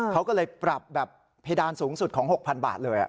เขาก็เลยปรับแบบเพดานสูงสุดของ๖๐๐บาทเลย